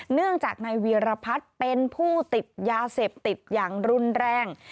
เนื่องจากนายเวียรพัฒน์เป็นผู้ติดยาเสพติดอย่างรุนแรง